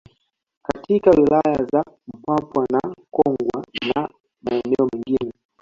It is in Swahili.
Katika wilaya za Mpwapwa na Kongwa na maeneo mengine